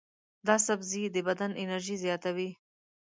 دا سبزی د بدن انرژي زیاتوي.